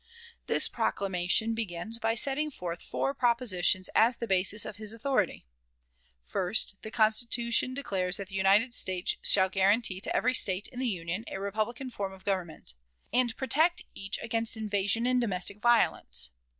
This proclamation begins by setting forth four propositions as the basis of his authority: First, the Constitution declares that the United States shall guarantee to every State in the Union a republican form of government, and protect each against invasion and domestic violence.